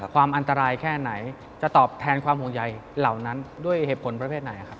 ความอันตรายแค่ไหนจะตอบแทนความห่วงใยเหล่านั้นด้วยเหตุผลประเภทไหนครับ